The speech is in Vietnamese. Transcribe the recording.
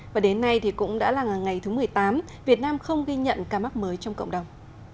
và đến nay thì cũng đã là ngày thứ một mươi tám việt nam không ghi nhận ca mắc mới trong cộng đồng